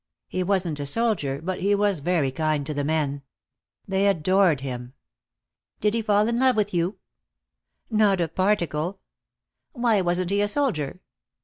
He wasn't a soldier, but he was very kind to the men. They adored him." "Did he fall in love with your?" "Not a particle." "Why wasn't he a soldier?"